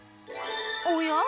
おや？